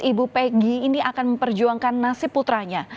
ibu peggy ini akan memperjuangkan nasib putranya